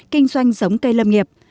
kinh doanh giống cây lâm nghiệp